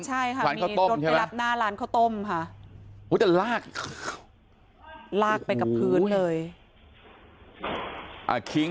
ใช่มีรถไปรับหน้าร้านคล้าวต้มครับมีวิธีลากขึ้น